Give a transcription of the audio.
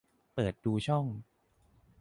เปิดดูช่อง